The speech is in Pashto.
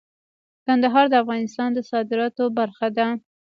کندهار د افغانستان د صادراتو برخه ده.